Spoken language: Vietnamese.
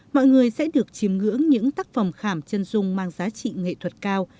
mọi người sẽ được chìm ngưỡng những tác phẩm khảm chân dung mang giá trị nghệ thuật cao